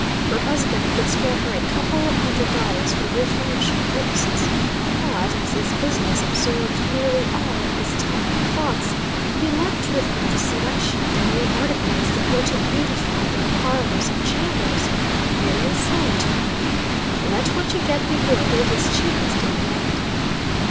Her husband could spare her a couple of hundred dollars for re furnishing purposes; but, as his business absorbed nearly all of his time and thoughts, he left with her the selection of the new articles that were to beautify their parlors and chambers, merely saying to her: "Let what you get be good. It is cheapest in the end."